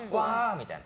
みたいな。